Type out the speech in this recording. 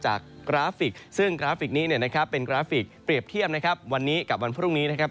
กราฟิกซึ่งกราฟิกนี้เนี่ยนะครับเป็นกราฟิกเปรียบเทียบนะครับวันนี้กับวันพรุ่งนี้นะครับ